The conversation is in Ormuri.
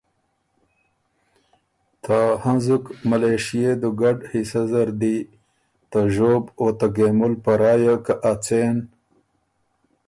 ته هنزُک ملېشئے دُوګډ حصۀ زر دی ته ژوب او ته ګېمُل په رایه که ا څېن